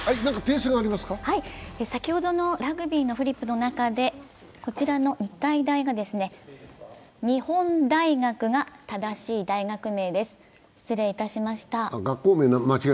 先ほどのラグビーのフリップの中で日体大が「日本大学」が正しい大学名です。